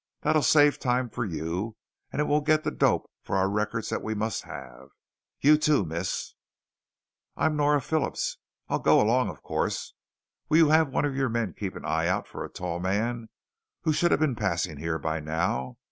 That'll save time for you, and it will get the dope for our records that we must have. You too, Miss ?" "I'm Nora Phillips. I'll go along, of course. Will you have one of your men keep an eye out for a tall man who should have been passing here by now.